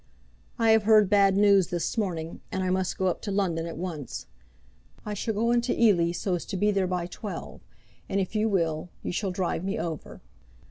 "I have heard bad news this morning, and I must go up to London at once. I shall go into Ely so as to be there by twelve; and if you will, you shall drive me over.